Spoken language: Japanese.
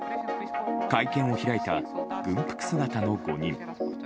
会見を開いた軍服姿の５人。